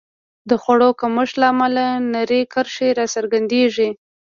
د خوړو کمښت له امله نرۍ کرښې راڅرګندېږي.